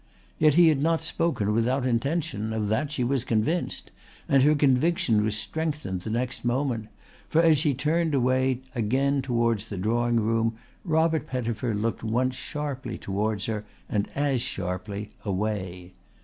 Yet he had not spoken without intention. Of that she was convinced, and her conviction was strengthened the next moment, for as she turned again towards the drawing room Robert Pettifer looked once sharply towards her and as sharply away.